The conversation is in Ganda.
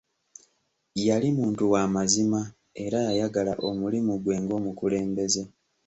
Yali muntu wa mazima era yayagala omulimu gwe ng'omukulembeze.